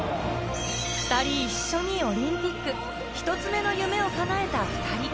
２人一緒にオリンピック、１つ目の夢をかなえた２人。